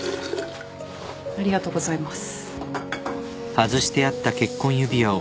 ありがとうございます。